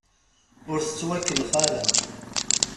Ur tettwekellex ara.